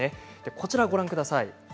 こちらをご覧ください。